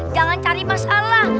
jangan cari masalah